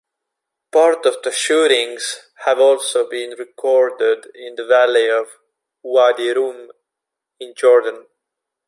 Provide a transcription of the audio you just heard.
Part of the shootings have also been recorded in the valley of Uadi Rum, in Jordan.